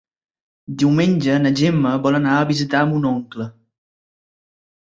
Diumenge na Gemma vol anar a visitar mon oncle.